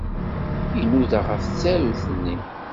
Inuda ɣef tsarut-nni.